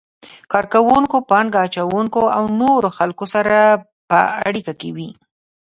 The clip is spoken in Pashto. کار کوونکو، پانګه اچونکو او نورو خلکو سره په اړیکه کې وي.